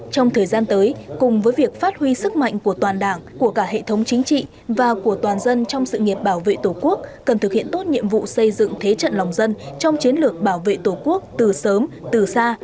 trong thời gian tới cùng với việc phát huy sức mạnh của toàn đảng của cả hệ thống chính trị và của toàn dân trong sự nghiệp bảo vệ tổ quốc cần thực hiện tốt nhiệm vụ xây dựng thế trận lòng dân trong chiến lược bảo vệ tổ quốc từ sớm từ xa